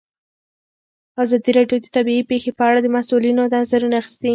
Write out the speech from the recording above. ازادي راډیو د طبیعي پېښې په اړه د مسؤلینو نظرونه اخیستي.